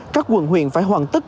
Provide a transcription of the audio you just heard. các quận huyện phải hoàn tất